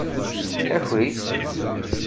Aki!